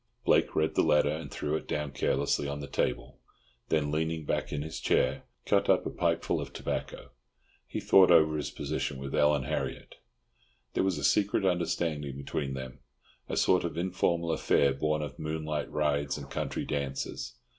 Blake read the letter, and threw it down carelessly on the table; then, leaning back in his chair, cut up a pipeful of tobacco. He thought over his position with Ellen Harriott. There was a secret understanding between them, a sort of informal affair born of moonlight rides and country dances.